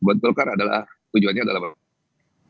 buat golkar tujuannya adalah memanfaatkan